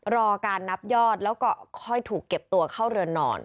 รอการนับยอดแล้วก็ค่อยถูกเก็บตัวเข้าเรือนนอน